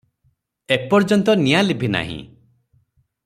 ଏପର୍ଯ୍ୟନ୍ତ ନିଆଁ ଲିଭି ନାହିଁ ।